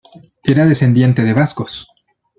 Era descendiente de vascos.